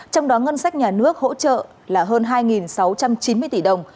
trong đó ngân sách nhà nước hỗ trợ là hơn hai sáu trăm linh